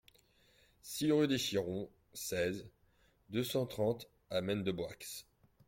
six rue des Chirons, seize, deux cent trente à Maine-de-Boixe